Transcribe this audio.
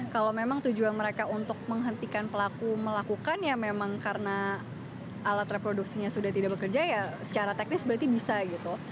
kalau memang tujuan mereka untuk menghentikan pelaku melakukan ya memang karena alat reproduksinya sudah tidak bekerja ya secara teknis berarti bisa gitu